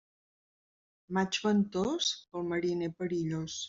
Maig ventós, pel mariner perillós.